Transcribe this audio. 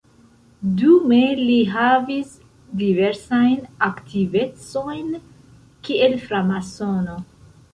Dume li havis diversajn aktivecojn kiel framasono.